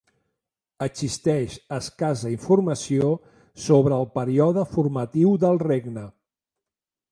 Existeix escassa informació sobre el període formatiu del regne.